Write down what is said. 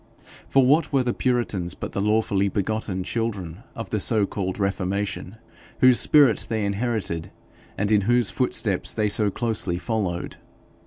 For what were the puritans but the lawfully begotten children of the so called reformation, whose spirit they inherited, and in whose footsteps they so closely followed?